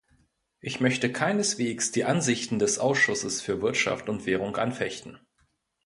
Ich möchte keineswegs die Ansichten des Ausschusses für Wirtschaft und Währung anfechten.